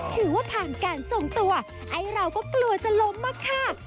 ถือว่าผ่านการทรงตัวไอ้เราก็กลัวจะล้มมากค่ะ